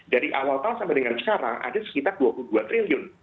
dari awal tahun sampai dengan sekarang ada sekitar dua puluh dua triliun